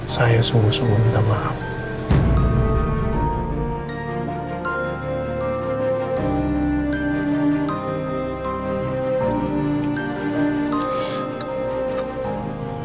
saya sungguh sungguh minta maaf